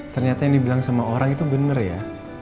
ternyata yang dibilang sama orang itu benar ya